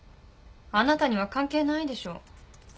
あなたには関係ないでしょ。